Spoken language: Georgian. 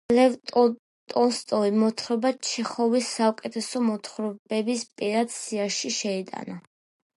ლევ ტოლსტოიმ მოთხრობა ჩეხოვის საუკეთესო მოთხრობების პირად სიაში შეიტანა.